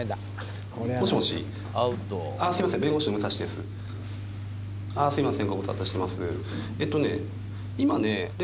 すいません